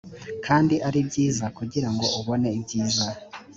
kandi ari byiza kugira ngo ubone ibyiza